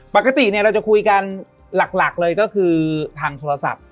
ปกติเราจะคุยกันหลักเลยก็คือทางโทรศัพท์